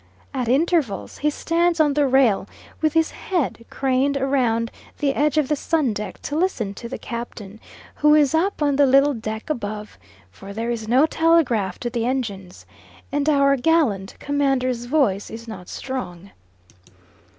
At intervals he stands on the rail with his head craned round the edge of the sun deck to listen to the captain, who is up on the little deck above, for there is no telegraph to the engines, and our gallant commander's voice is not strong.